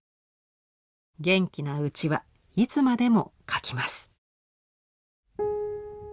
元気なうちはいつまでも描きます」。